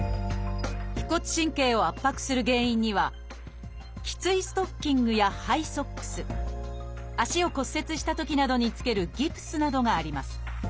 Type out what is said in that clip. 腓骨神経を圧迫する原因には「きついストッキング」や「ハイソックス」足を骨折したときなどにつける「ギプス」などがあります。